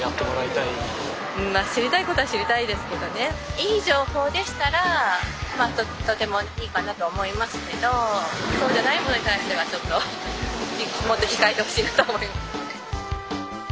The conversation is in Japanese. いい情報でしたらまあとてもいいかなと思いますけどそうじゃないものに対してはちょっともっと控えてほしいなと思いますね。